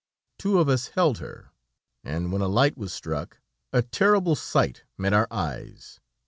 Two of us held her, and when a light was struck, a terrible sight met our eyes.